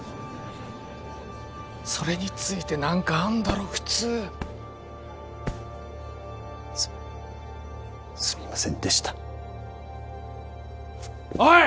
それについて何かあんだろ普通すすみませんでしたおい！